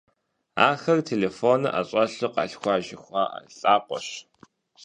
Ахэр «телефоныр ӀэщӀэлъу къалъхуащ» жыхуаӀэ лӀакъуэщ.